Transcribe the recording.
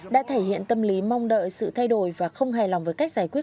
đã thể hiện tâm lý mong đợi sự thay đổi và không hài lòng với cách giải quyết